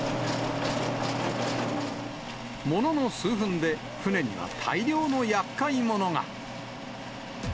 ものの数分で、船には大量のやっかい者が。